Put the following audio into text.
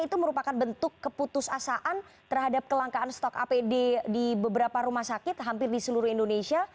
itu merupakan bentuk keputusasaan terhadap kelangkaan stok apd di beberapa rumah sakit hampir di seluruh indonesia